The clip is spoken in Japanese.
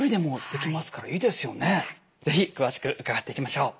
是非詳しく伺っていきましょう。